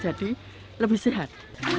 jadi lebih sehat